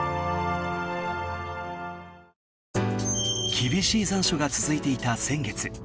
厳しい残暑が続いていた先月。